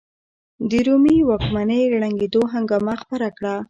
د رومي واکمنۍ ړنګېدو هنګامه خپره کړه.